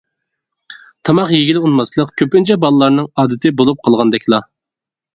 تاماق يېگىلى ئۇنىماسلىق كۆپىنچە بالىلارنىڭ ئادىتى بولۇپ قالغاندەكلا.